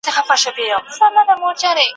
د اخترونو د جشنونو شالمار خبري